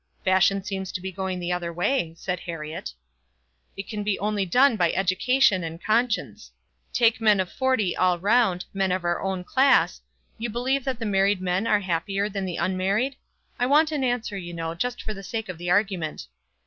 "Fashion seems to be going the other way," said Herriot. "It can be only done by education and conscience. Take men of forty all round, men of our own class, you believe that the married men are happier than the unmarried? I want an answer, you know, just for the sake of the argument."